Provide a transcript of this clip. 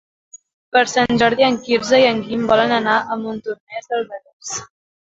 Per Sant Jordi en Quirze i en Guim volen anar a Montornès del Vallès.